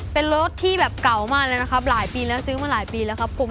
เป็นรถที่แบบเก่ามากลายปีแล้วซื้อมากลายปีเดือน